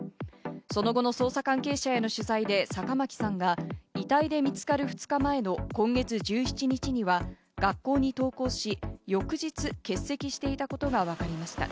その後の捜査関係者への取材で坂巻さんが遺体で見つかる２日前の今月１７日には学校に登校し、翌日は欠席していたことがわかりました。